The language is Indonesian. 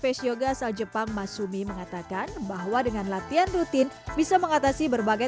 face yoga asal jepang masumi mengatakan bahwa dengan latihan rutin bisa mengatasi berbagai